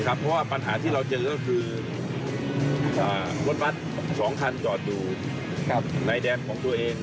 เพราะว่าปัญหาที่เราเจอก็คือรถบัตร๒คันจอดอยู่ในแดนของตัวเอง